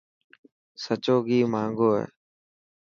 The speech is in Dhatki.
سچو گهي مهانگو هي.